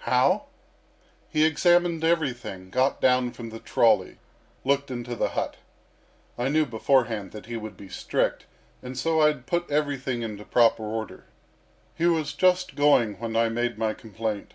"How? He examined everything, got down from the trolley, looked into the hut. I knew beforehand that he would be strict, and so I had put everything into proper order. He was just going when I made my complaint.